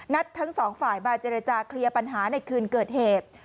ทั้งสองฝ่ายมาเจรจาเคลียร์ปัญหาในคืนเกิดเหตุ